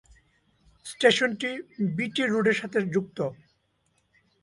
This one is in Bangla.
স্টেশনটি বিটি রোডের সাথে যুক্ত।